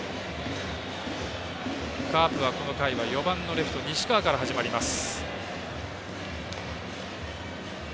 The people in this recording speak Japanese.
カープは、この回は４番のレフト、西川から始まります。